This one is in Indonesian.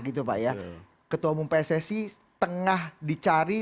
ketua umum pssi tengah dicari